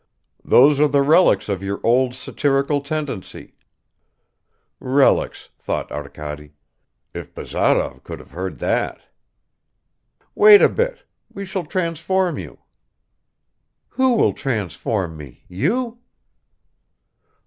"Those are the relics of your old satirical tendency." ("Relics," thought Arkady. "If Bazarov could have heard that!") "Wait a bit; we shall transform you. "Who will transform me? You?"